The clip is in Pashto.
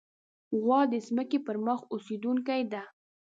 غوا د ځمکې پر مخ اوسېدونکې ده.